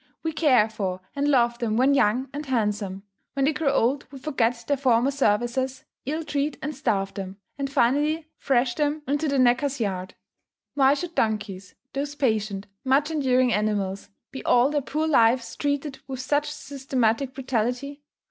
We care for and love them when young and handsome; when they grow old we forget their former services, ill treat and starve them, and finally thrash them into the knacker's yard. Why should donkeys those patient, much enduring animals be all their poor lives treated with such systematic brutality?